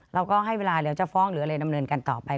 เราก็ให้เวลาเดี๋ยวจะฟ้องหรืออะไรดำเนินกันต่อไป